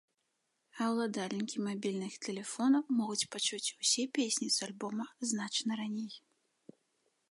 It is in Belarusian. А ўладальнікі мабільных тэлефонаў могуць пачуць усе песні з альбома значна раней.